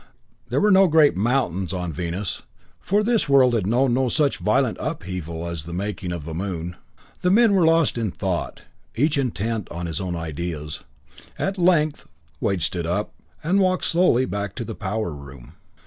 There were no great mountains on Venus, for this world had known no such violent upheaval as the making of a moon. The men were lost in thought, each intent on his own ideas. At length Wade stood up, and walked slowly back to the power room.